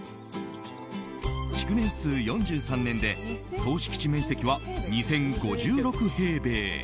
築年数４３年で総敷地面積は２０５６平米。